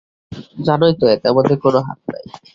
জানই তো এতে আমাদের কোনো হাত নাই।